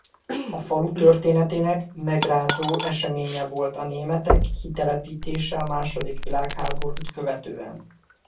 A falu történetének megrázó eseménye volt a németek kitelepítése a második világháborút követően.